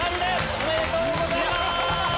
おめでとうございます！